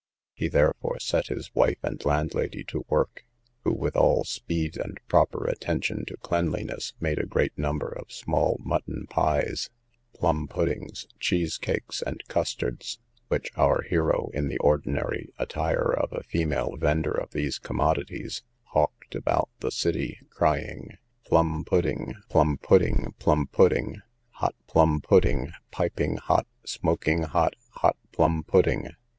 He therefore set his wife and landlady to work, who with all speed, and proper attention to cleanliness, made a great number of small mutton pies, plum puddings, cheesecakes, and custards, which our hero, in the ordinary attire of a female vender of these commodities, hawked about the city, crying, Plum pudding, plum pudding, plum pudding; hot plum pudding; piping hot, smoking hot, hot plum pudding.